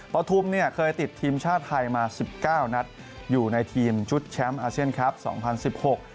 ปฐุมเนี่ยเคยติดทีมชาติไทยมาสิบเก้านัดอยู่ในทีมชุดแชมป์อาเซียนครับสองพันสิบหก